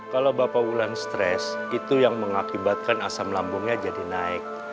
kalau bapak wulan stres itu yang mengakibatkan asam lambungnya jadi naik